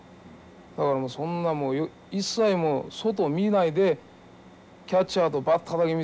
だからそんなもう一切外を見ないでキャッチャーとバッターだけ見て勝負せえよと。